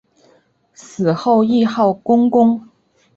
死后谥号恭公。